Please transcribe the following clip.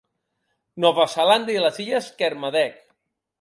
Nova Zelanda i les illes Kermadec.